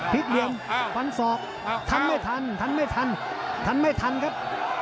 เหลี่ยมฟันศอกทันไม่ทันทันไม่ทันทันไม่ทันครับ